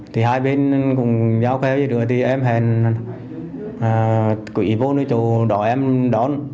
thì hai bên cũng giao khéo như đứa thì em hẹn quý vô nơi chỗ đó em đón